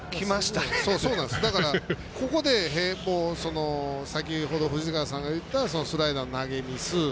だから、ここで先ほど藤川さんが言ったスライダーの投げミス。